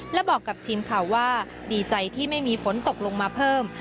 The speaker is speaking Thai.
และบอกกับทีมข่าวว่าดีใจที่ไม่มีฝนตกลงมาเพิ่ม